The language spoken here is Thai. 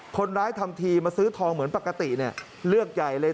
ทำทีมาซื้อทองเหมือนปกติเนี่ยเลือกใหญ่เลย